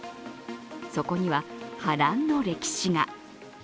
そこには、波乱の歴史が。